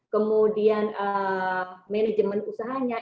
kemudian manajemen usahanya